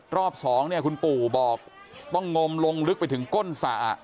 รอบสองเนี่ยคุณปู่บอกต้องงมลงลึกไปถึงก้นสระ